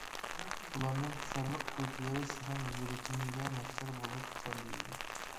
ئۇلارنىڭ خۇشاللىق كۈلكىلىرى سېنىڭ يۈرىكىڭگە نەشتەر بولۇپ سانجىلىدۇ.